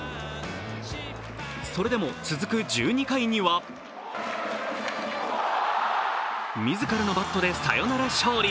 それでも、続く１２回には自らのバットでサヨナラ勝利。